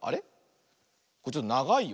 これちょっとながいよ。